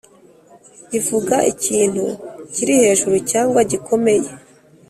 bivuga ikintu kiri hejuru cyangwa gikomeye